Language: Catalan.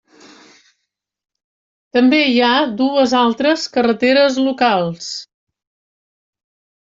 També hi ha dues altres carreteres locals.